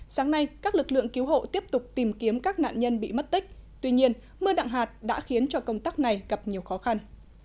sáng nay các lực lượng cứu hộ tiếp tục tìm kiếm các nạn nhân bị mất tích tuy nhiên mưa nặng hạt đã khiến cho công tác này gặp nhiều khó khăn